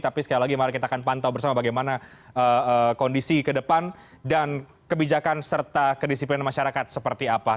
tapi sekali lagi mari kita akan pantau bersama bagaimana kondisi ke depan dan kebijakan serta kedisiplinan masyarakat seperti apa